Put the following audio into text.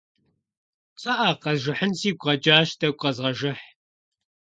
КъыӀэ, къэжыхьын сигу къэкӀащ, тӀэкӀу къэзгъэжыхь.